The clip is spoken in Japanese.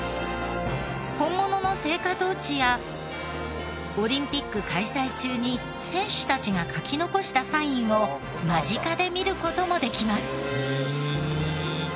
本物の聖火トーチやオリンピック開催中に選手たちが書き残したサインを間近で見る事もできます。